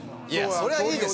それはいいですよ